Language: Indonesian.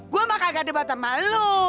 gue mah kagak debat sama lo